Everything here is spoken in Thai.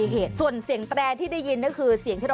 วิทยาลัยศาสตร์อัศวิทยาลัยศาสตร์